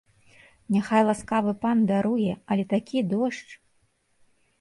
Няхай ласкавы пан даруе, але такі дождж.